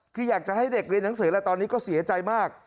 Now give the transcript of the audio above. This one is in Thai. คืออยากจะให้เด็กเรียนหนังสือแล้วตอนนี้ก็เสียใจมาก